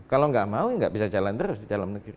kalau nggak mau nggak bisa jalan terus di dalam negeri